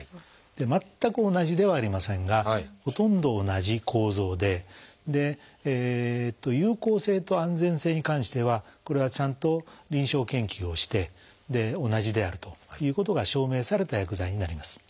全く同じではありませんがほとんど同じ構造で有効性と安全性に関してはこれはちゃんと臨床研究をして同じであるということが証明された薬剤になります。